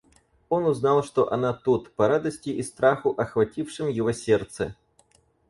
Он узнал, что она тут, по радости и страху, охватившим его сердце.